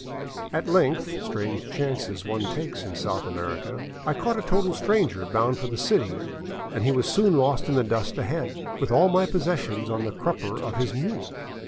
At length — strange chances one takes in South America — I caught a total stranger bound for the city, and he was soon lost in the dust ahead, with all my possessions on the crupper of his mule.